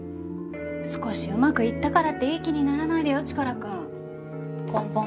少しうまくいったからっていい気にならないでよチカラくん。